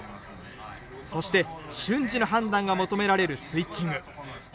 そして、瞬時の判断が求められるスイッチング。